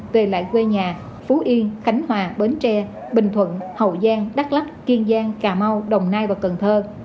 về lại quê nhà phú yên khánh hòa bến tre bình thuận hậu giang đắk lắc kiên giang cà mau đồng nai và cần thơ